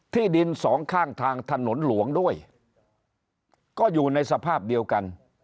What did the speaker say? ที่ดินสองข้างทางถนนหลวงด้วยก็อยู่ในสภาพเดียวกัน